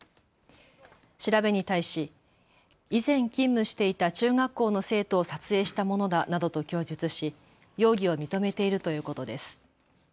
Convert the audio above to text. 調べに対し以前、勤務していた中学校の生徒を撮影したものだなどと供述し容疑を認めているということです。